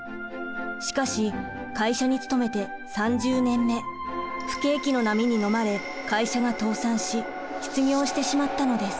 しかし会社に勤めて３０年目不景気の波にのまれ会社が倒産し失業してしまったのです。